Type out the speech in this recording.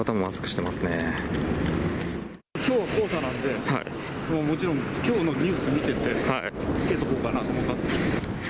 きょう、黄砂なんで、もちろんきょうのニュース見てて、着けておこうかなと。